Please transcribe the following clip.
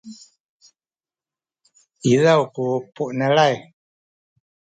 izaw ku puenelay